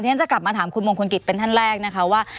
ฉันจะกลับมาถามคุณมงคลกิจเป็นท่านแรกนะคะว่า